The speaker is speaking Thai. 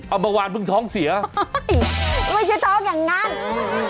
เอาเมื่อวานเพิ่งท้องเสียไม่ใช่ท้องอย่างงั้นอืม